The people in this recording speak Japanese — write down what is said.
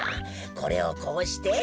これをこうして。